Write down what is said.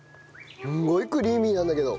すごいクリーミーなんだけど。